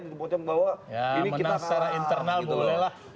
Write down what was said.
menang secara internal boleh lah